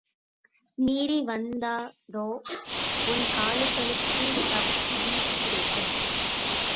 மீறி வந்ததோ, உன் கால்களுக்குச் சவுக்கடி கிடைக்கும்.